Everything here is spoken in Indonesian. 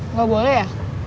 nggak boleh ya